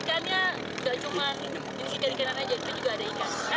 ternyata ikannya gak cuma ikan ikan aja itu juga ada ikan